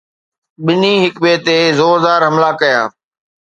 ٻنهي هڪ ٻئي تي زوردار حملا ڪيا